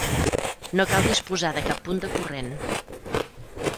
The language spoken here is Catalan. No cal disposar de cap punt de corrent.